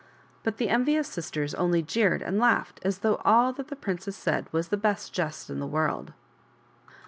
But the envious sisters only jeered and laughed as though all that the princess said was the best jest in the world.